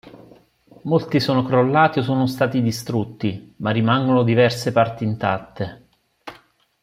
Molti sono crollati o sono stati distrutti, ma rimangono diverse parti intatte.